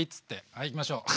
はいいきましょう。